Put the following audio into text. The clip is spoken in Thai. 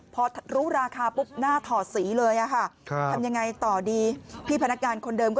พอรู้ราคาปุ๊บหน้าถอดสีเลยอะค่ะทำยังไงต่อดีพี่พนักงานคนเดิมก็